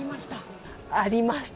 ありました。